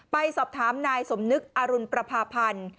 ไปสอบถามนายสมนึกอรุณประพาพันธ์